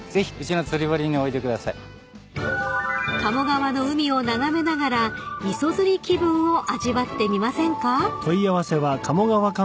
［鴨川の海を眺めながら磯釣り気分を味わってみませんか？］